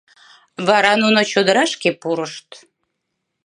Вара нуно чодырашке пурышт.